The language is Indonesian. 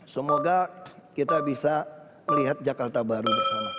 semoga kita bisa melihat jakarta baru bersama